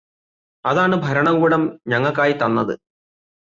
അതാണ് ഭരണകൂടം ഞങ്ങക്കായി തന്നത്